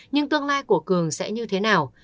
nhưng tương lai của cường sẽ như thế nào